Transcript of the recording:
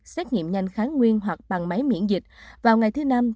xét nghiệm nhanh kháng nguyên hoặc bằng máy miễn dịch vào ngày thứ năm